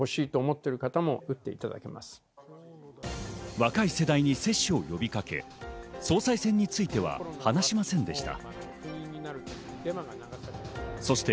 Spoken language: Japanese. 若い世代に接種を呼びかけ、総裁選については話しませんでした。